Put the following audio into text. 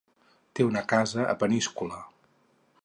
Té una casa a Peníscola.